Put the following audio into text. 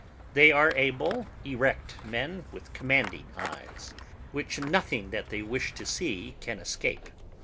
They are able, erect men, with commanding eyes, which nothing that they wish to see can escape.